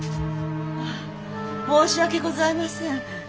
申し訳ございません。